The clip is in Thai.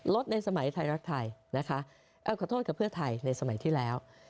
ในสมัยไทยรักไทยนะคะขอโทษกับเพื่อไทยในสมัยที่แล้ว